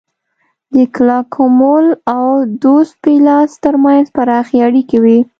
د کلاکمول او دوس پیلاس ترمنځ پراخې اړیکې وې